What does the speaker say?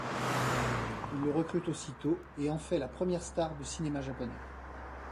Il le recrute aussitôt et en fait la première star du cinéma japonais.